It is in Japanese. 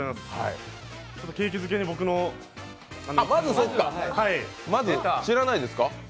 景気づけに僕のまず、知らないですか？